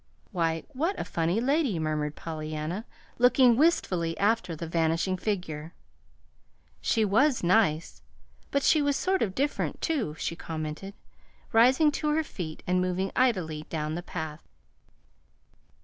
"Why, what a funny lady," murmured Pollyanna, looking wistfully after the vanishing figure. "She was nice, but she was sort of different, too," she commented, rising to her feet and moving idly down the path.